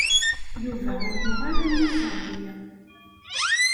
Yuba ur yuɣ ara Nna Seɛdiya.